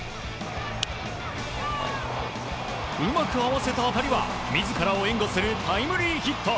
うまく合わせた当たりは自らを援護するタイムリーヒット！